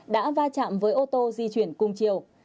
đã va chạm với ô tô di chuyển cùng chiều